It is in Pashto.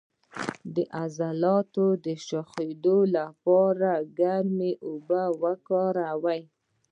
د عضلاتو د شخیدو لپاره ګرمې اوبه وکاروئ